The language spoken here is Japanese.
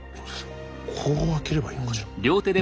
こう開ければいいのかしら？